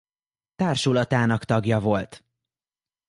Társulatának tagja volt.